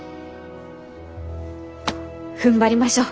ふんばりましょう。